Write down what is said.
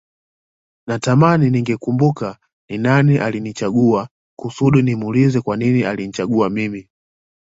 Natamani ningekumbuka ni nani alinichagua kusudi nimuulize kwa nini alinichagua mimi